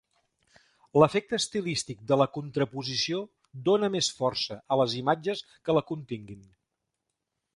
L'efecte estilístic de la contraposició dóna més força a les imatges que la continguin.